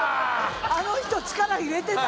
あの人力入れてた？